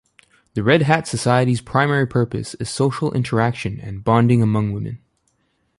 The Red Hat Society's primary purpose is social interaction and bonding among women.